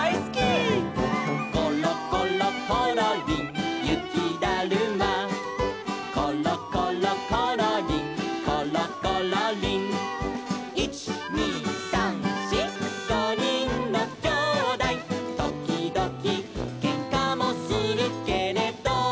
「ころころころりんゆきだるま」「ころころころりんころころりん」「いちにさんしごにんのきょうだい」「ときどきけんかもするけれど」